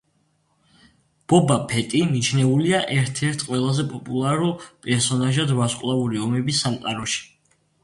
ბობა ფეტი მიჩნეულია ერთ-ერთ ყველაზე პოპულარულ პერსონაჟად „ვარსკვლავური ომების“ სამყაროში.